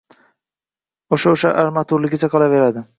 Oʻsha-oʻsha armaturaligicha qolaveradi